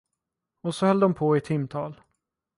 Och så höll de på i timtal.